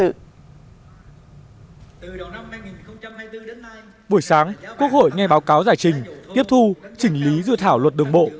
từ đầu năm hai nghìn hai mươi bốn đến nay buổi sáng quốc hội nghe báo cáo giải trình tiếp thu chỉnh lý dự thảo luật đường bộ